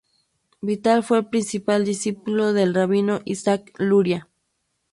Vital fue el principal discípulo del rabino Isaac Luria.